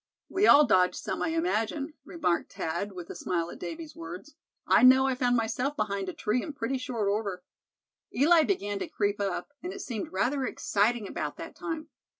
"We all dodged some, I imagine," remarked Thad, with a smile at Davy's words. "I know I found myself behind a tree in pretty short order. Eli began to creep up, and it seemed rather exciting about that time.